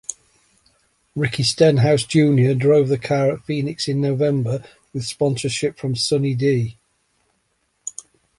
Ricky Stenhouse Junior drove the car at Phoenix in November, with sponsorship from SunnyD.